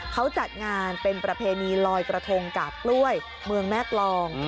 เขาจัดงานเป็นประเพณีลอยกระทงกาบกล้วยเมืองแม่กรอง